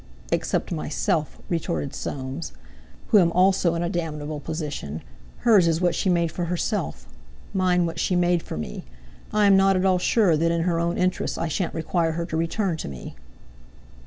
"Except myself," retorted Soames, "who am also in a damnable position. Hers is what she made for herself; mine what she made for me. I am not at all sure that in her own interests I shan't require her to return to me."